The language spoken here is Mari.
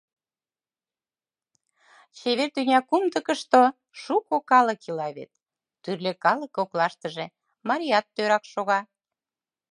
Чевер тӱня кумдыкышто Шуко калык ила вет. Тӱрлӧ калык коклаштыже Марият тӧрак шога.